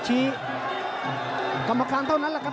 ชี้กรรมกราคารแหละละครับ